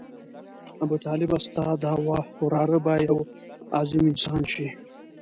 ابوطالبه ستا دا وراره به یو عظیم انسان شي.